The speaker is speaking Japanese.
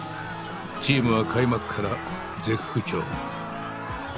チームは開幕から絶不調。